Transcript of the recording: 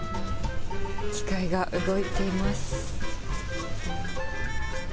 機械が動いてます。